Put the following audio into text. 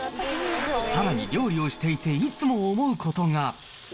さらに、料理をしていていつも思うことが。